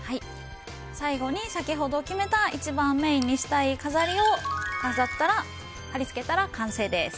最後に先ほど決めた一番メインにしたい飾りを貼り付けたら完成です。